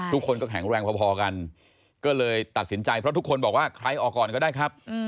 ทุกคนก็แข็งแรงพอกันก็เลยตัดสินใจเพราะทุกคนบอกว่าใครออกก่อนก็ได้ครับ